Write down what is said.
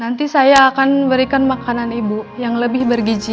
nanti saya akan berikan makanan ibu yang lebih bergiji